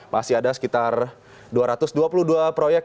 masih ada sekitar dua ratus dua puluh dua proyek